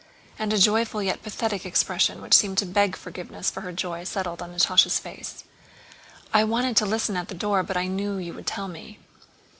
And a joyful yet pathetic expression which seemed to beg forgiveness for her joy settled on Natásha's face. "I wanted to listen at the door, but I knew you would tell me."